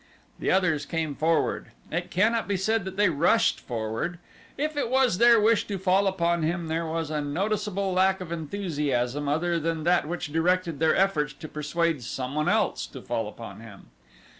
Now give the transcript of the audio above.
The others came forward. It cannot be said that they rushed forward. If it was their wish to fall upon him there was a noticeable lack of enthusiasm other than that which directed their efforts to persuade someone else to fall upon him.